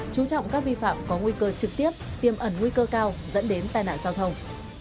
chú trọng các vi phạm có nguy cơ trực tiếp tiêm ẩn nguy cơ cao dẫn đến tai nạn giao thông